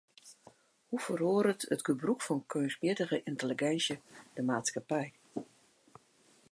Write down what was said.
Hoe feroaret it gebrûk fan keunstmjittige yntelliginsje de maatskippij?